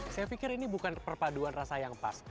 saya pikir ini bukan perpaduan rasa yang pas